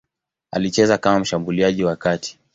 Alicheza kama mshambuliaji wa kati.